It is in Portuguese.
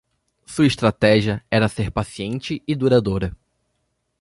Sua estratégia era ser paciente e duradoura.